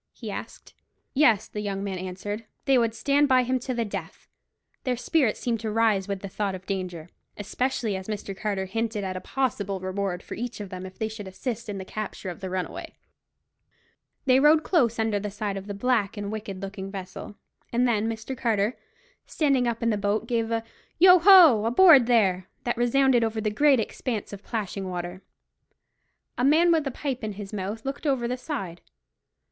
he asked. Yes, the young men answered; they would stand by him to the death. Their spirits seemed to rise with the thought of danger, especially as Mr. Carter hinted at a possible reward for each of them if they should assist in the capture of the runaway. They rowed close under the side of the black and wicked looking vessel, and then Mr. Carter, standing up in the boat gave a "Yo ho! aboard there!" that resounded over the great expanse of plashing water. A man with a pipe in his mouth looked over the side.